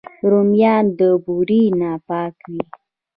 رومیان د بورې نه پاک وي